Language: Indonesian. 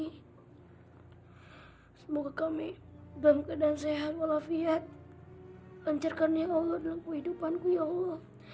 hai semoga kami belum keadaan sehat walafiat lancarkan ya allah dalam kehidupanku ya allah